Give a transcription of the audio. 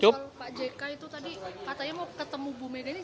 kalau pak jk itu tadi katanya mau ketemu bu mega ini